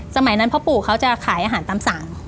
สมัยนั้นพ่อปู่เขาจะขายอาหารตามสั่ง